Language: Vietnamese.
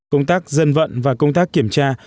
công tác dân vận và công tác kiểm tra